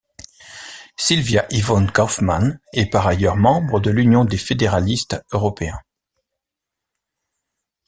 Sylvia-Yvonne Kaufmann est par ailleurs membre de l'Union des fédéralistes européens.